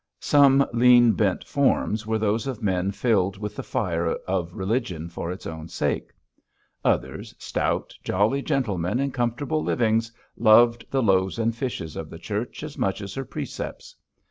Some lean, bent forms were those of men filled with the fire of religion for its own sake; others, stout, jolly gentlemen in comfortable livings, loved the loaves and fishes of the Church as much as her precepts.